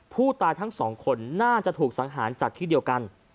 ผู้ตายทั้งสองคนน่าจะถูกสังหารจากที่เดียวกัน